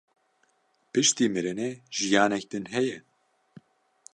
Piştî mirinê jiyanek din heye?